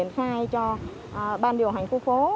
khai cho ban điều hành khu phố